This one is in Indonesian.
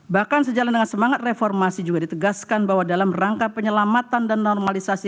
bahkan sejalan dengan semangat reformasi juga ditegaskan bahwa dalam rangka penyelamatan dan normalisasi